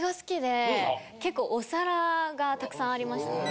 結構お皿がたくさんありますかね。